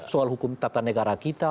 soal hukum tata negara kita